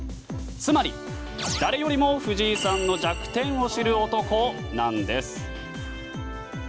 つまり、誰よりも藤井さんの弱点を知る男なんです。